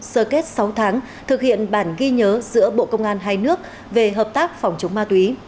sơ kết sáu tháng thực hiện bản ghi nhớ giữa bộ công an hai nước về hợp tác phòng chống ma túy